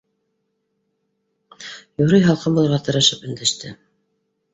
Юрый һалҡын булырға тырышып, өндәште: